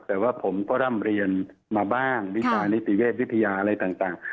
แต่ว่าผมก็ร่ำเรียนมาบ้างวิจารณิติเวชวิทยาอะไรต่าง